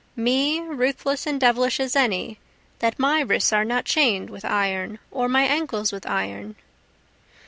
Me ruthless and devilish as any, that my wrists are not chain'd with iron, or my ankles with iron?